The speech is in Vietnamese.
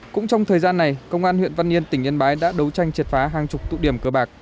cũng trong thời gian này công an huyện văn yên tỉnh yên bái đã đấu tranh triệt phá hàng chục tụ điểm cờ bạc